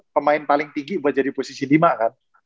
pemain paling tinggi buat jadi posisi lima kan